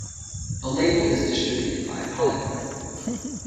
The label is distributed by Polydor.